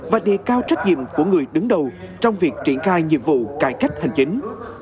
và đề cao trách nhiệm của người đứng đầu trong việc triển khai nhiệm vụ cải cách hành chính